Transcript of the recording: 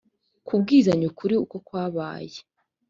kubwizanya ukuri uko kwakabaye